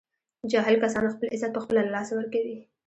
جاهل کسان خپل عزت په خپله له لاسه ور کوي